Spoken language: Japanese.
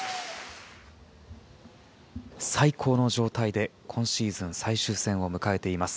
最高の状態で、今シーズン最終戦を迎えています。